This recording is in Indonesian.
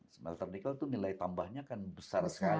smelter nikel itu nilai tambahnya kan besar sekali